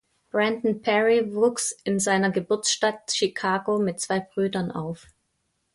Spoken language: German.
Brandon Perea wuchs in seiner Geburtsstadt Chicago mit zwei Brüdern auf.